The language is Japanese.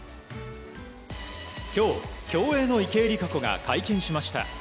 今日、競泳の池江璃花子が会見しました。